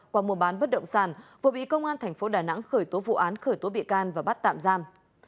qua mùa bán bất động sản vừa bị công an thành phố đà nẵng khởi tố vụ án khởi tố bị can và bắt tạm giam